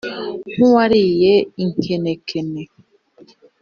nk'uwariye inkenekene